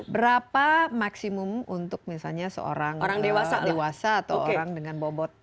berapa maksimum untuk misalnya seorang dewasa atau orang dengan bobot